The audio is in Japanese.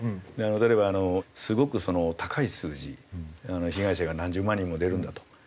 例えばすごくその高い数字被害者が何十万人も出るんだと。